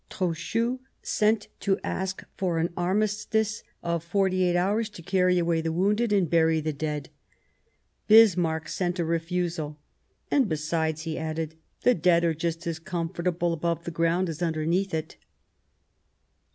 Trochu sent to ask for an armistice of forty eight hours to carry away the wounded and bury the dead. Bismarck sent a refusal :" And besides," he added, " the dead are just as comfortable above the ground as underneath it."